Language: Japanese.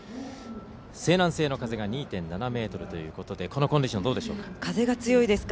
西南西の風が２．７メートルということでこのコンディションどうでしょうか？